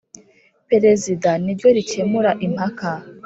Perezida niryo rikemura impaka